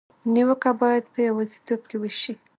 نیوکه باید په یوازېتوب کې وشي.